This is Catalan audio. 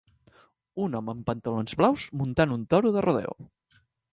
Un home amb pantalons blaus muntant un toro de rodeo.